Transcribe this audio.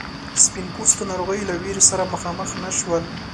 سپین پوستو ناروغیو له ویرې سره مخامخ نه شول.